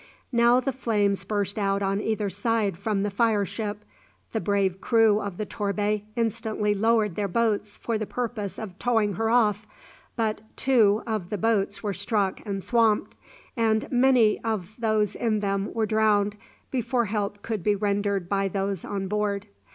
Now the flames burst out on either side from the fire ship. The brave crew of the "Torbay" instantly lowered their boats for the purpose of towing her off, but two of the boats were struck and swamped, and many of those in them were drowned before help could be rendered by those on board.